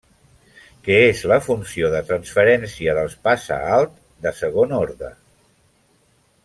Que és la funció de transferència dels passaalt de segon orde.